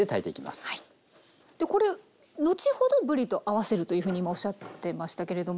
これ後ほどぶりと合わせるというふうに今おっしゃってましたけれども。